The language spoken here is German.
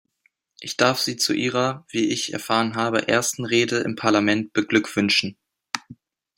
Ich darf Sie zu Ihrer wie ich erfahren habe ersten Rede im Parlament beglückwünschen.